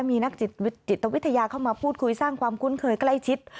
มีนักจิตวิทยาเข้ามาพูดคุยสร้างความคุ้นเคยใกล้ชิด